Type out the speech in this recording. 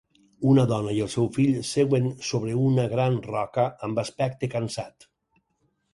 Una dona i el seu fill seuen sobre una gran roca amb aspecte cansat.